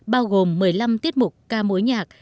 bao gồm một mươi năm tiết mục ca mối nhạc